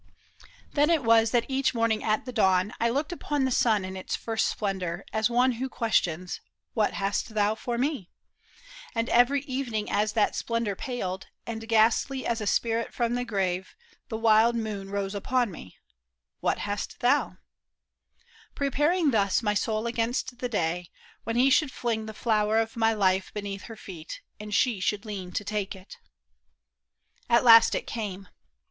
Then was it that each morning at the dawn I looked upon the sun in its first splendor As one who questions, " What hast thou for me ? And every evening as that splendor paled, And ghastly as a spirit from the grave, The wild moon rose upon me, "What hast thou i Preparing thus my soul against the day. When he should fling the flower of my life Beneath her feet, and she should lean to take it. At last it came.